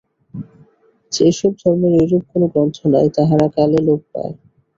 যে-সব ধর্মের এইরূপ কোন গ্রন্থ নাই, তাহারা কালে লোপ পায়।